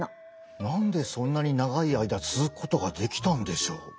何でそんなに長い間続くことができたんでしょう？